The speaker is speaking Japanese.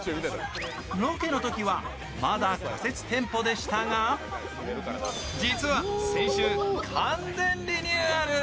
ロケのときはまだ仮設店舗でしたが、実は先週完全リニューアル。